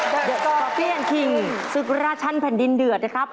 ก็เปลี่ยนคิงศึกราชันแผ่นดินเดือดนะครับ